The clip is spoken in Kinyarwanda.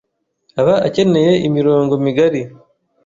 aba akeneye imirongo migari